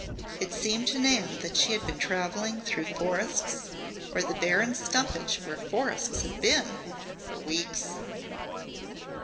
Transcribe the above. It seemed to Nan that she had been traveling through forests, or the barren stumpage where forests had been, for weeks.